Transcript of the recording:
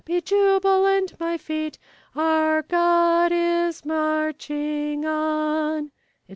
be jubilant, my feet! Our God is marching on, etc.